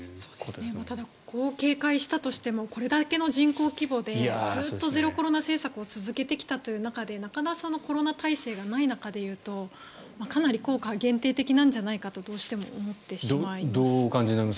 ただ、警戒したとしてもこれだけの人口規模でずっとゼロコロナ政策を続けてきたという中でなかなかコロナ耐性がない中でいうとかなり効果は限定的なんじゃないかとどうしても思ってしまいます。